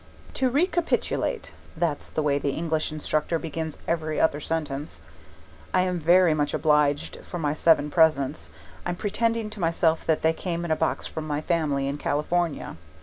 To recapitulate (that's the way the English instructor begins every other sentence), I am very much obliged for my seven presents. I'm pretending to myself that they came in a box from my family in California.